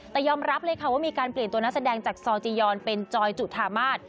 แต่ยอมรับเลยค่ะว่ามีการเปลี่ยนตัวนักแสดงจากซอลจียอนเป็นจอยจุธามาศ